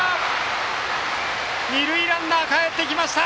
二塁ランナーかえってきました！